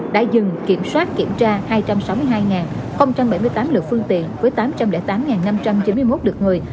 đã dừng kiểm soát kiểm tra hai trăm sáu mươi hai bảy mươi tám lượt phương tiện với tám trăm linh tám năm trăm chín mươi một lượt người